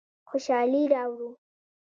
خوشحالي راوړو.